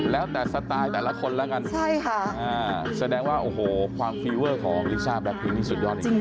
แล้วแต่สไตล์แต่ละคนแล้วกันใช่ค่ะแสดงว่าโอ้โหความฟีเวอร์ของลิซ่าแล็คพีนี่สุดยอดจริง